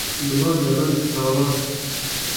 دڵان دەبەن بەتاڵان